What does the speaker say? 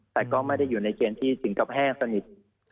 แต่ก็ไม่ได้อยู่ในเกณฑ์ที่สิงกับแห้งสนิท